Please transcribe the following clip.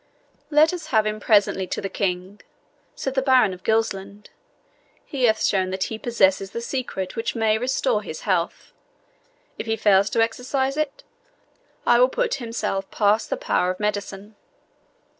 "Let us have him presently to the King," said the Baron of Gilsland. "He hath shown that he possesses the secret which may restore his health. If he fails to exercise it, I will put himself past the power of medicine."